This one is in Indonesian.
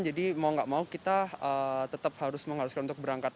jadi mau gak mau kita tetap harus mengharuskan untuk berangkat